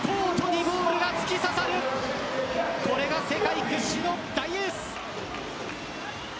これが世界屈指の大エース。